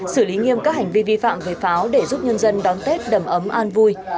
xử lý nghiêm các hành vi vi phạm về pháo để giúp nhân dân đón tết đầm ấm an vui